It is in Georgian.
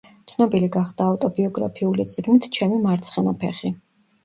ცნობილი გახდა ავტობიოგრაფიული წიგნით „ჩემი მარცხენა ფეხი“.